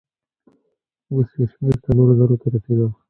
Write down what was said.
اوس يې شمېر څلورو زرو ته رسېده.